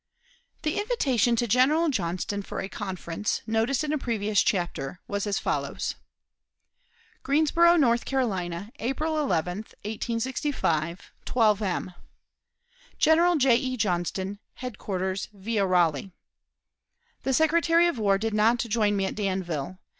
The invitation to General Johnston for a conference, noticed in a previous chapter, was as follows: "GREENSBORO, NORTH CAROLINA, April 11 1865 12 M. "General J. E. JOHNSTON, headquarters, via Raleigh: "The Secretary of War did not join me at Danville.